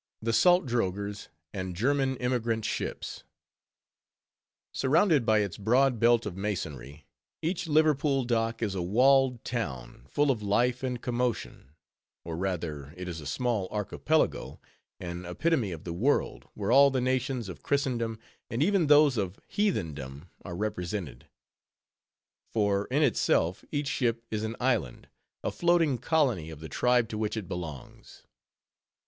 THE SALT DROGHERS, AND GERMAN EMIGRANT SHIPS Surrounded by its broad belt of masonry, each Liverpool dock is a walled town, full of life and commotion; or rather, it is a small archipelago, an epitome of the world, where all the nations of Christendom, and even those of Heathendom, are represented. For, in itself, each ship is an island, a floating colony of the tribe to which it belongs.